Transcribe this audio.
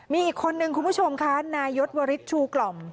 มีอีกคนนึงคุณผู้ชมค่ะนายศวริสชูกล่อม